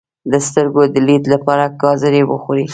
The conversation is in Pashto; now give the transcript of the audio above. د سترګو د لید لپاره ګازرې وخورئ